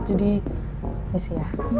jadi mesti ya